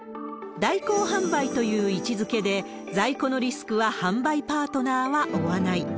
代行販売という位置づけで、在庫のリスクは販売パートナーは負わない。